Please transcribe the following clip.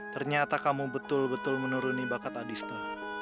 ternyata kamu betul betul menuruni bakat adista